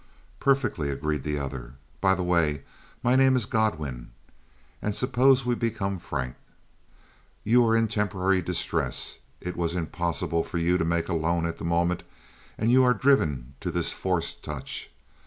"Perfectly," agreed the other. "By the way, my name is Godwin. And suppose we become frank. You are in temporary distress. It was impossible for you to make a loan at the moment and you are driven to this forced touch.